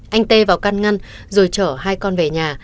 anh tê vào căn ngăn rồi chở hai con về nhà